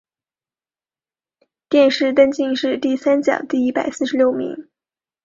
殿试登进士第三甲第一百四十六名。